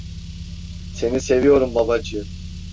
Seni seviyorum babacığım.